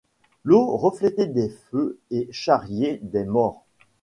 L'eau refléter des feux et charrier des morts